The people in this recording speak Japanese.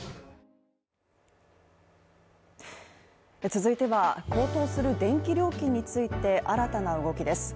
続いては、高騰する電気料金について新たな動きです。